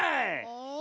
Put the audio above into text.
え。